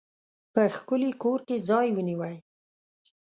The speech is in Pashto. په ښکلي کور کې ځای ونیوی.